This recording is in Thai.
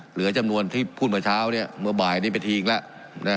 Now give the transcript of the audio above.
เหลือจำนวนที่พูดเมื่อเช้าเนี่ยเมื่อบ่ายนี้เป็นทีอีกแล้วนะ